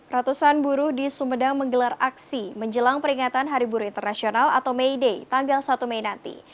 ratusan buruh di sumedang menggelar aksi menjelang peringatan hari buruh internasional atau may day tanggal satu mei nanti